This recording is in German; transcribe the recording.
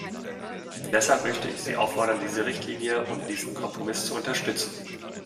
Deshalb möchte ich Sie auffordern, diese Richtlinie und diesen Kompromiss zu unterstützen.